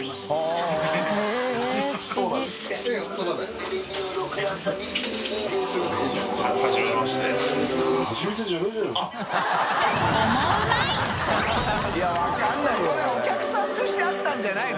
海お客さんとして会ったんじゃないの？